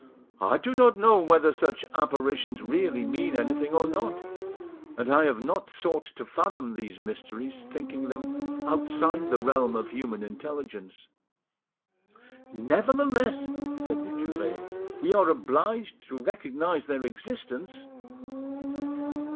I do not know whether such apparitions really mean anything or not, and I have not sought to fathom these mysteries, thinking them outside the realm of human intelligence." "Nevertheless," said the cure, "we are obliged to recognise their existence."